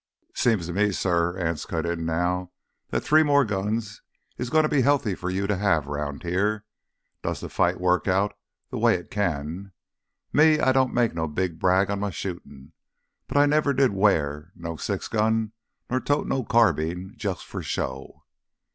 "Seems to me, suh," Anse cut in now, "that three more guns is gonna be healthy for you to have 'round here, does th' fight work out th' way it can. Me, I don't make no big brag on my shootin'—but I never did wear no six gun, nor tote no carbine, jus' for show."